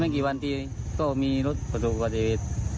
ไม่กี่วันทีก็มีรถขรบสู่ประจำนี้